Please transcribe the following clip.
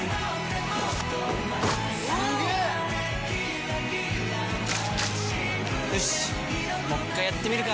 すげー‼よしっもう一回やってみるか！